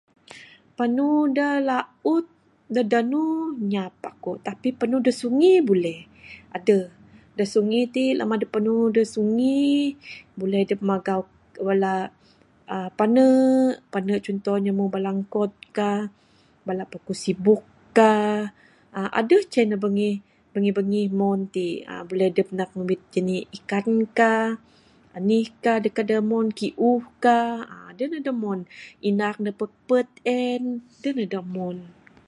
Panu da laut da danu nyap aku tapi panu da sungi buleh. Adeh da sungi ti lama dep panu da sungi buleh dep magau bala aaa pane, pane chunto ne bala ungkod kah, bala pakuh sibuk kah aaa adeh ceh da bangih bangih mon ti aaa buleh dep nak ngumbit janik ikan kah anih kah da kadeh mon, ki'uh kah aaa adeh ne da mon. Inang da petpet en, adeh ne da omon.